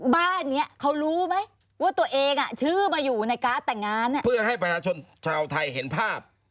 บ้านนี้เขารู้ไหมว่าตัวเองชื่อมาอยู่ในการ์ดแต่งงานเพื่อให้ประชาชนชาวไทยเห็นภาพ